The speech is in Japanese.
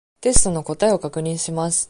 テストの答えを確認します。